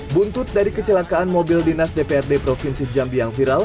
buntut dari kecelakaan mobil dinas dprd provinsi jambi yang viral